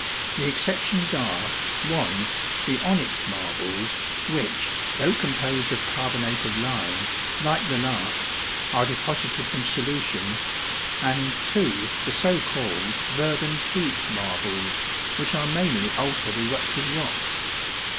The exceptions are (1) the onyx marbles, which, though composed of carbonate of lime, like the last, are deposited from solution, and (2) the so called verdantique marbles, which are mainly altered eruptive rocks.